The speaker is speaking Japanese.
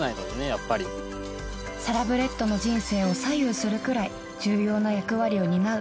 やっぱりサラブレッドの人生を左右するくらい重要な役割を担う